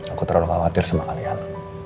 aku terlalu khawatir sama kalian